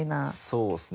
そうですね。